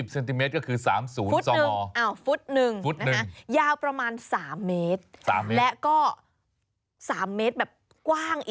๓๐เซนติเมตรก็คือ๓๐ชั่วโมง